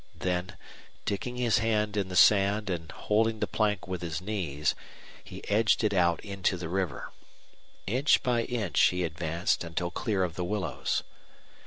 Then, digging his hand in the sand and holding the plank with his knees, he edged it out into the river. Inch by inch he advanced until clear of the willows.